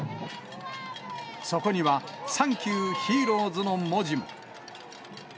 そこには、サンキューヒーローズの文字も。